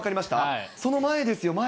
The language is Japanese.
その前ですよ、前。